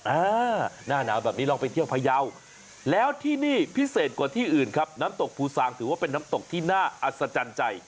หน้าหนาวแบบนี้ลองไปเที่ยวพยาวแล้วที่นี่พิเศษกว่าที่อื่นครับน้ำตกภูซางถือว่าเป็นน้ำตกที่น่าอัศจรรย์ใจ